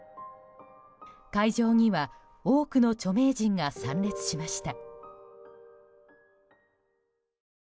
会場には多くの著名人が参列しました。